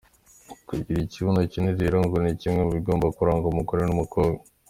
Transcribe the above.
Kugira ikibuno kinini rero ngo ni kimwe mu bigomba kuranga umugore n’umukobwa.